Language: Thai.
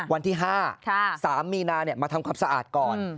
วันที่๕๓มีนามาทำความสะอาดก่อน